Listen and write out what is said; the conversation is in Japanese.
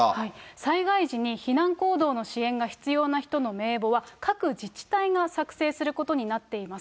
災害時に、避難行動の支援が必要な人の名簿は各自治体が作成することになっています。